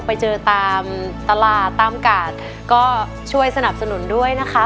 ไปเจอตามตลาดตามกาดก็ช่วยสนับสนุนด้วยนะคะ